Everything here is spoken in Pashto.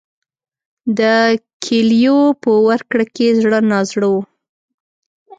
د کیلیو په ورکړه کې زړه نازړه و.